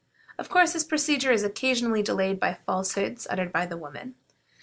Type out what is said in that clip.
Of course this procedure is occasionally delayed by falsehoods uttered by the women.